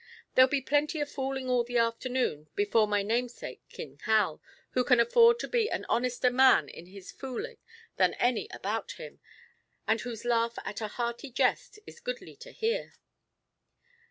There'll be plenty of fooling all the afternoon, before my namesake King Hal, who can afford to be an honester man in his fooling than any about him, and whose laugh at a hearty jest is goodly to hear."